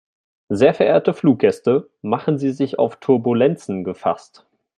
Sehr verehrte Fluggäste, machen Sie sich auf Turbulenzen gefasst.